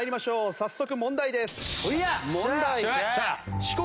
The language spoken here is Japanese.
早速問題です。